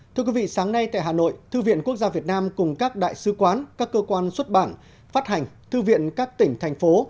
thưa quý vị sáng nay tại hà nội thư viện quốc gia việt nam cùng các đại sứ quán các cơ quan xuất bản phát hành thư viện các tỉnh thành phố